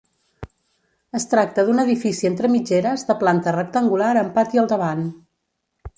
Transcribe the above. Es tracta d'un edifici entre mitgeres de planta rectangular amb pati al davant.